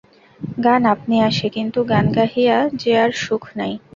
গান আপনি আসে, কিন্তু গান গাহিয়া যে আর সুখ নাই।